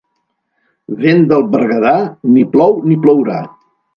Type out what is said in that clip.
Vent del Berguedà, ni plou ni plourà.